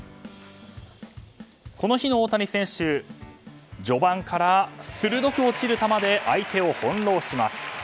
この日の大谷選手序盤から鋭く落ちる球で相手を翻弄します。